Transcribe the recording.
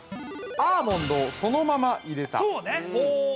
アーモンドをそのまま入れた。